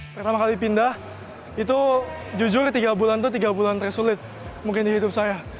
pertama kali pindah itu jujur tiga bulan itu tiga bulan tersulit mungkin di youtube saya